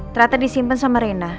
ternyata disimpan sama rena